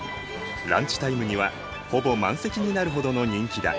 ランチタイムにはほぼ満席になるほどの人気だ。